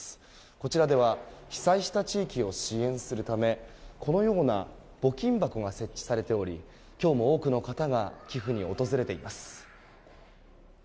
こちらでは被災した地域を支援するためこのような募金箱が設置されており今日も多くの方が寄付に訪れています。